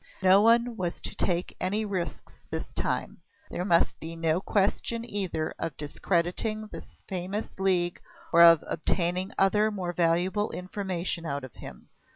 No one was to take any risks this time; there must be no question either of discrediting his famous League or of obtaining other more valuable information out of him.